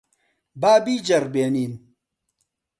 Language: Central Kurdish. با بیجەڕبێنین.